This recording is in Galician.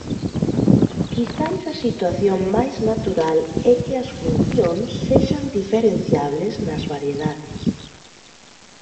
Quizais a situación máis natural é que as funcións sexan diferenciables nas variedades.